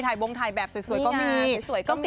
ไทยบรงไทยแบบสวยก็มี